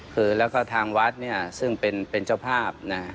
คือแล้วก็ทางวัดเนี่ยซึ่งเป็นเจ้าภาพนะฮะ